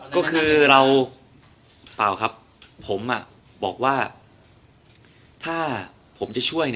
ก็คือเราเปล่าครับผมบอกว่าถ้าผมจะช่วย